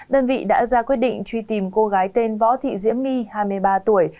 đơn vị đã ra quyết định truy tìm cô gái tên võ thị diễm my hai mươi ba tuổi